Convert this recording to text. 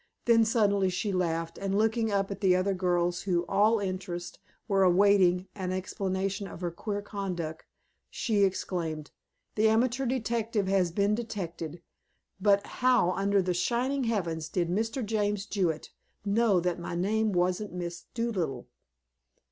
Then suddenly she laughed, and looking up at the other girls who, all interest, were awaiting an explanation of her queer conduct, she exclaimed: "The amateur detective has been detected, but how under the shining heavens did Mr. James Jewett know that my name wasn't Miss Dolittle?"